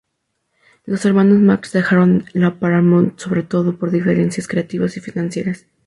Los Hermanos Marx dejaron la Paramount sobre todo por diferencias creativas y financieras.